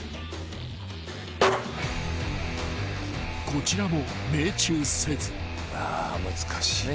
［こちらも命中せず］